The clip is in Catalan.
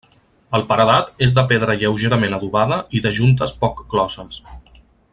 El paredat és de pedra lleugerament adobada i de juntes poc closes.